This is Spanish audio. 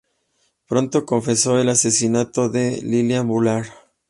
Pronto confesó el asesinato de Lillian Bullard.